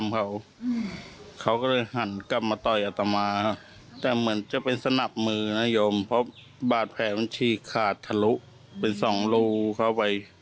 เพราะบาทแผลบัญชีขาดทะลุเป็นสองรูเข้าไป